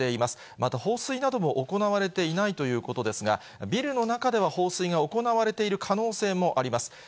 また放水なども行われていないということですが、ビルの中では放水が行われている可能性もあります。